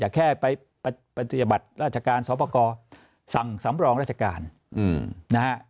อย่าแค่ไปปฏิบัติราชการศพกสั่งสำรองราชการนะฮะ